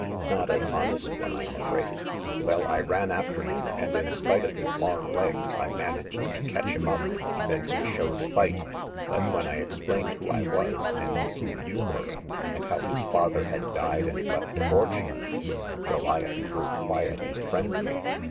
Not an honest one, I am afraid. Well, I ran after him, and in spite of his long legs I managed to catch him up. Then he showed fight ; but when I explained who I was, and who you were, and how his father had died and left a fortune, Goliath grew quiet and friendly.